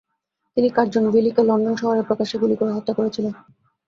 তিনি কার্জন উইলিকে লন্ডন শহরে প্রকাশ্যে গুলি করে হত্যা করেছিলেন।